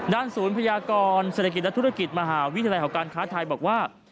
ศูนย์พยากรเศรษฐกิจและธุรกิจมหาวิทยาลัยของการค้าไทยบอกว่า